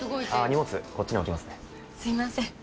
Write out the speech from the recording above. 荷物こっちに置きますねすいません